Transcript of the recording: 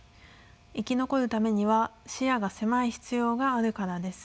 生き残るためには視野が狭い必要があるからです。